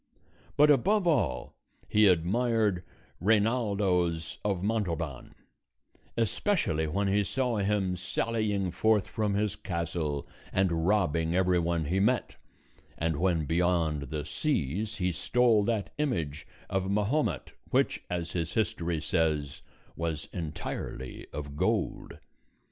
But above all he admired Reinaldos of Montalban; especially when he saw him sallying forth from his castle and robbing every one he met, and when beyond the seas he stole that image of Mahomet which, as his history says, was entirely of gold.